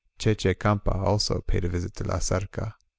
Che Che Campa also paid a visit to La Zarca.